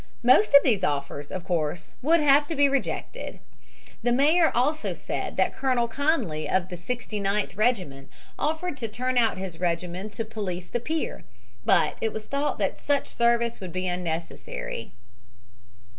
Most of these offers of course would have to be rejected. The mayor also said that Colonel Conley of the Sixty ninth Regiment offered to turn out his regiment to police the pier, but it was thought that such service would be unnecessary.